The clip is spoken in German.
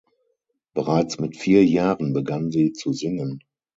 Bereits mit vier Jahren begann sie zu singen.